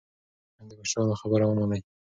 د مشرانو خبره ومنئ.